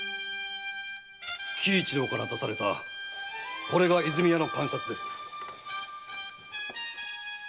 喜一郎から出されたこれが和泉屋の鑑札です。